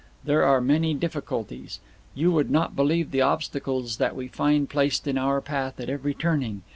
There are many difficulties. You would not believe the obstacles that we find placed in our path at every turning.